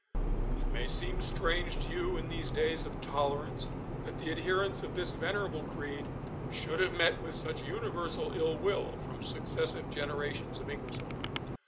It may seem strange to you in these days of tolerance, that the adherents of this venerable creed should have met with such universal ill will from successive generations of Englishmen.